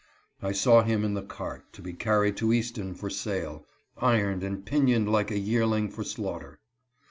I saw him in the cart, to be carried to Easton for sale, ironed and pinioned like a yearling for the slaughter.